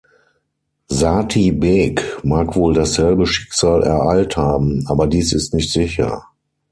Sati Beg mag wohl dasselbe Schicksal ereilt haben, aber dies ist nicht sicher.